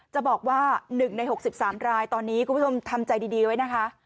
จะบอกว่า๑ใน๖๓รายตอนนี้คุณผู้ชมทำใจดีไว้นะคะ